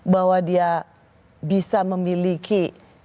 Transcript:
bahwa dia bisa memiliki